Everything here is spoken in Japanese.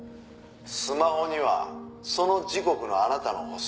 「スマホにはその時刻のあなたの歩数」